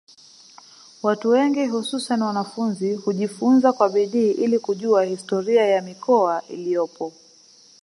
Watu wengi hususani wanafunzi hujifunza kwa bidii ili kujua historia ya mikoa iliyopo